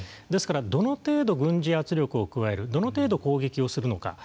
ですからどの程度、軍事圧力を加えるどの程度攻撃をするのか。